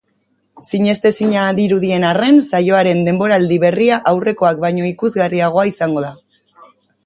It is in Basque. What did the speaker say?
Sinestezina dirudien arren, saioaren denboraldi berria aurrekoak baino ikusgarriagoa izango da.